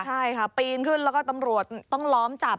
ใช่ค่ะปีนขึ้นแล้วก็ตำรวจต้องล้อมจับ